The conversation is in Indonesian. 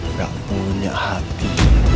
tidak punya hati